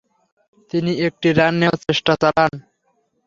তিনি একটি রান নেয়ার চেষ্টা চালান।